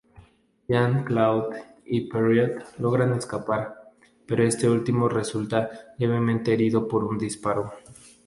Jean-Claude y Pierrot logran escapar, pero este último resulta levemente herido por un disparo.